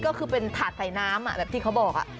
ก็คือเป็นถาดใส่น้ำแบบที่เขาบอก